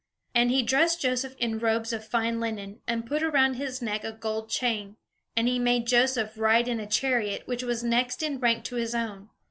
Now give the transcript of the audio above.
And he dressed Joseph in robes of fine linen, and put around his neck a gold chain. And he made Joseph ride in a chariot which was next in rank to his own.